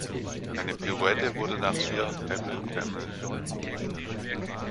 Eine Pirouette wurde nach ihr "Hamill Camel" benannt.